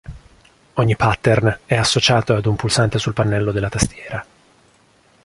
Ogni pattern è associato ad un pulsante sul pannello della tastiera.